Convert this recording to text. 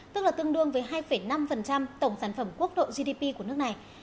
tức là tương đương với hai năm tổng sản phẩm quốc độ gdp của nước này